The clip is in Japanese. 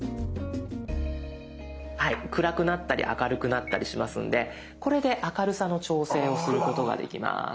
はい暗くなったり明るくなったりしますのでこれで明るさの調整をすることができます。